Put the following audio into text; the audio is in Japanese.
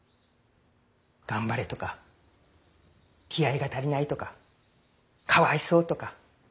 頑張れとか気合いが足りないとかかわいそうとか。